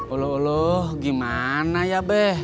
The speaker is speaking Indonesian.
olah olah gimana ya beh